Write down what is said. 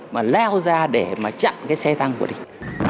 mà leo ra để chặn xe tăng của địch